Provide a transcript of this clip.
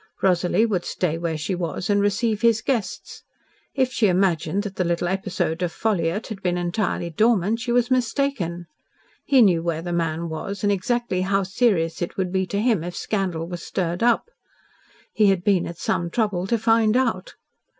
Rosalie would stay where she was and receive his guests. If she imagined that the little episode of Ffolliott had been entirely dormant, she was mistaken. He knew where the man was, and exactly how serious it would be to him if scandal was stirred up. He had been at some trouble to find out.